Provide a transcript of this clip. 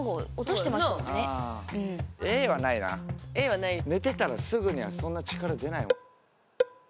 寝てたらすぐにはそんな力出ないもん。